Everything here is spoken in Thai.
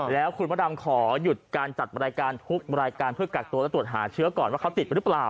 แล้วคุณพระดำขอหยุดการจัดรายการทุกรายการเพื่อกักตัวและตรวจหาเชื้อก่อนว่าเขาติดหรือเปล่า